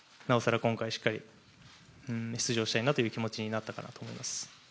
今回しっかり出場したいなという気持ちになったかなと思います。